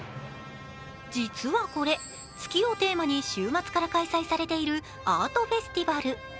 実はこれ、月をテーマに週末から開催されているアートフェスティバル。